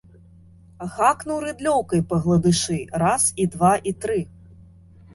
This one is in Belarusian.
Гакнуў рыдлёўкай па гладышы раз і два і тры!